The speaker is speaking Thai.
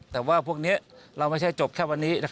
แต่ว่าพวกนี้เราไม่ใช่จบแค่วันนี้